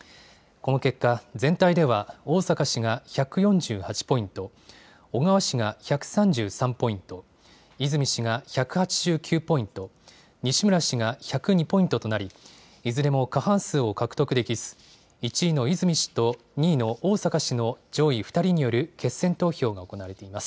この結果、全体では逢坂氏が１４８ポイント、小川氏が１３３ポイント、泉氏が１８９ポイント、西村氏が１０２ポイントとなり、いずれも過半数を獲得できず、１位の泉氏と２位の逢坂氏の上位２人による決選投票が行われています。